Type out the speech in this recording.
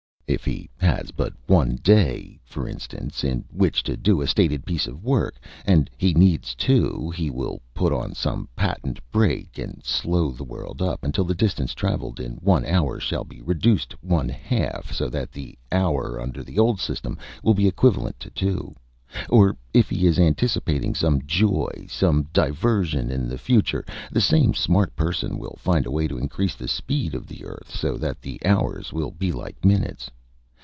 If he has but one day, for instance, in which to do a stated piece of work, and he needs two, he will put on some patent brake and slow the world up until the distance travelled in one hour shall be reduced one half, so that one hour under the old system will be equivalent to two; or if he is anticipating some joy, some diversion in the future, the same smart person will find a way to increase the speed of the earth so that the hours will be like minutes.